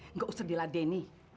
enggak usah diladeni